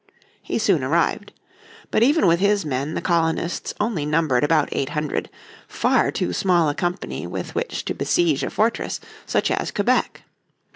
He soon arrived. But even with hid men the colonists only numbered about eight hundred, far too small a company with which to besiege a fortress such as Quebec.